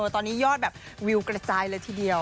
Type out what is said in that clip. ตอนนี้ยอดแบบวิวกระจายเลยทีเดียว